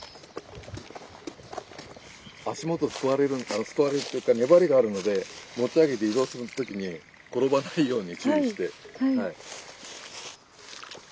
足元すくわれるすくわれるっていうか粘りがあるので持ち上げて移動する時に転ばないように注意して。